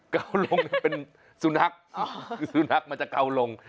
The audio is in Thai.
เกาลงเป็นสุนัขสุนัขมันจะเกาลง